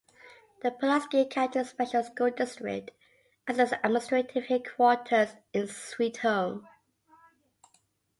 The Pulaski County Special School District has its administrative headquarters in Sweet Home.